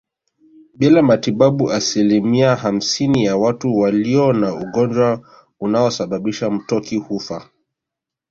Bila matibabu asilimia hamsini ya watu walio na ugonjwa unaosababisha mtoki hufa